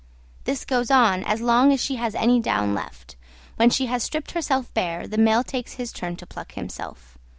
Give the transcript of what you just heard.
This goes on as long as she has any down left. When she has stripped herself bare the male takes his turn to pluck himself.